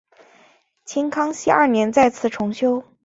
清康熙二年再次重修。